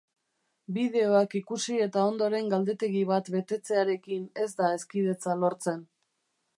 Bideoak ikusi eta ondoren galdetegi bat betetzearekin ez da hezkidetza lortzen.